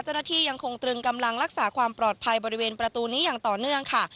เจ้าหน้าที่ยังคงตรึงกำลังรักษาความปลอดภัยบริเวณประตูนี้อย่างต่อเนื่องค่ะ